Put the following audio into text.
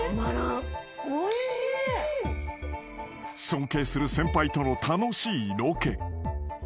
［尊敬する先輩との楽しいロケ］